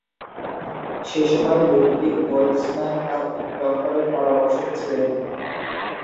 সেসময় Ludwig Boltzmann তাঁর doctorate পরামর্শক ছিলেন।